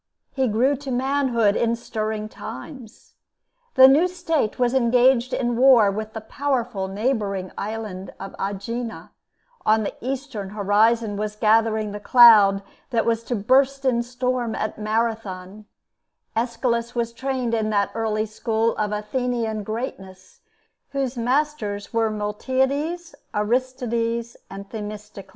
He grew to manhood in stirring times. The new State was engaged in war with the powerful neighboring island of Aegina; on the eastern horizon was gathering the cloud that was to burst in storm at Marathon, Aeschylus was trained in that early school of Athenian greatness whose masters were Miltiades, Aristides, and Themistocles.